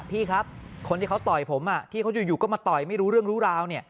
พี่ครับคนที่เขาต่อยผมที่เขาอยู่ก็มาต่อยไม่รู้เรื่องรู้ราว